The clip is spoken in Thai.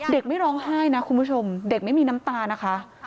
ไม่ร้องไห้นะคุณผู้ชมเด็กไม่มีน้ำตานะคะ